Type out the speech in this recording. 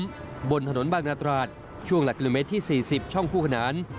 บนถนนบางนาตราดช่วงหลักกิโลเมตรที่๔๐ช่องคู่ขนาน